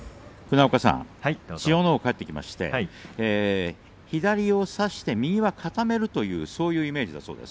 千代ノ皇が帰ってきまして左を差して右は固めるというそういうイメージだそうです。